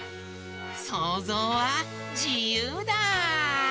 そうぞうはじゆうだ！